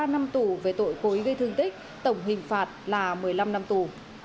ba năm tù về tội cố ý gây thương tích tổng hình phạt là một mươi năm năm tù